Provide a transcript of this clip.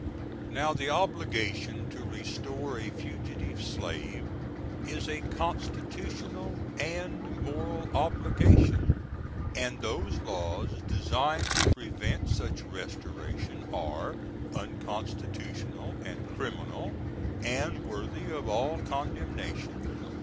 Now the obligation to restore a fugitive Slave is a constitu^l. & moral obligation; and those laws designed to prevent such restoration are unconst^l & criminal and worthy of all condem^n.